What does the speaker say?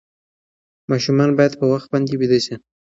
ماشومان باید په وخت باندې ویده شي.